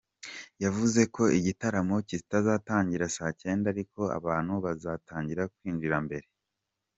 Yavuze ko igitaramo kizatangira saa cyenda ariko abantu bakazatangira kwinjira mbere.